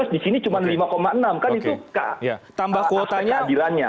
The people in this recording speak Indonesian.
di sini cuma lima enam kan itu keadilannya